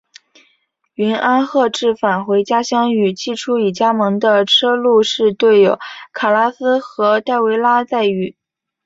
云安贺治返回家乡与季初已加盟的车路士队友卡拉斯和戴维拉再遇。